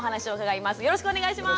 よろしくお願いします。